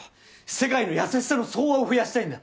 世界の優しさの総和を増やしたいんだ。